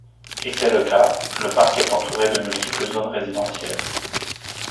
Et c'est le cas, le parc est entouré de multiples zones résidentielles.